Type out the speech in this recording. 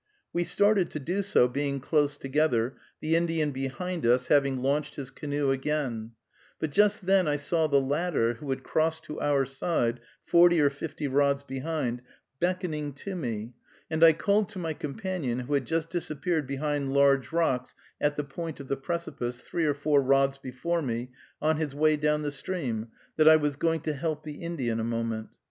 We started to do so, being close together, the Indian behind us having launched his canoe again, but just then I saw the latter, who had crossed to our side, forty or fifty rods behind, beckoning to me, and I called to my companion, who had just disappeared behind large rocks at the point of the precipice, three or four rods before me, on his way down the stream, that I was going to help the Indian a moment.